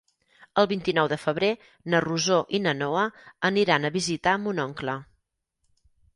El vint-i-nou de febrer na Rosó i na Noa aniran a visitar mon oncle.